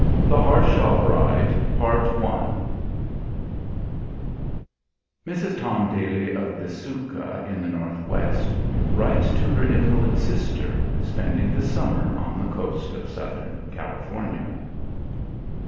THE HARSHAW BRIDE [Mrs. Tom Daly, of Bisuka in the Northwest, writes to her invalid sister spending the summer on the coast of Southern California.